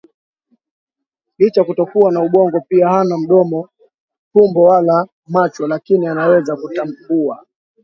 Licha ya kutokuwa na ubongo pia hana mdomo tumbo wala macho lakini anaweza kutambua